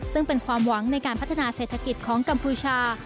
ซึ่งเป็นความหวังในการพัฒนาเศรษฐกิจของกัมพูชา